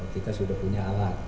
kita sudah punya alat